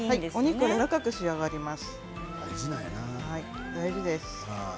肉がやわらかく仕上がります。